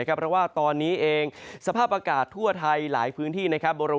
เพราะว่าตอนนี้เองสภาพอากาศทั่วไทยหลายพื้นที่นะครับ